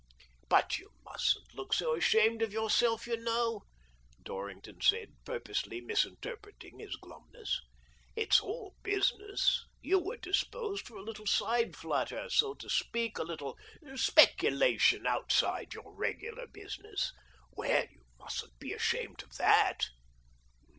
" But you mustn't look so ashamed of yourself, you know," Dorrington said, purposely misinter preting his glumness. " It's all business. You were disposed for a little side flutter, so to speak — a little speculation outside your regular business. Well, you mustn't be ashamed of that."